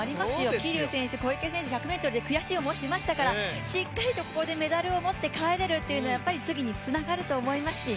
桐生選手、小池選手、１００ｍで悔しい思いしましたからしっかりとここでメダルを持って帰れるっていうのは、次につながると思いますし。